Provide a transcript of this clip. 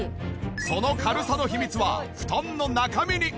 その軽さの秘密は布団の中身にあり！